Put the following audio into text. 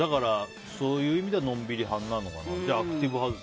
そういう意味ではのんびり派なのかな。